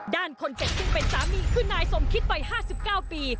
ด้านคนเจ็บซึ่งเป็นสามีคือนายสมคิดวัย๕๙ปี